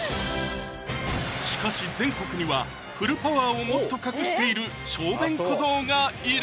しかし全国にはフルパワーをもっと隠している小便小僧がいる！